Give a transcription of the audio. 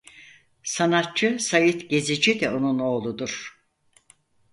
Sanatçı Sait Gezici de onun oğludur.